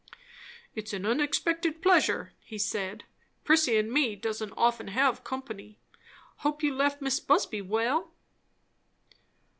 "It's an unexpected pleasure," he said. "Prissy and me doesn't often have company. Hope you left Mis' Busby well?"